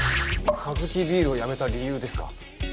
カヅキビールを辞めた理由ですか？